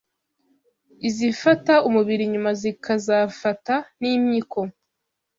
izifata umubiri nyuma zikazafata n’imyiko